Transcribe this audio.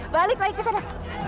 balik lagi ke sana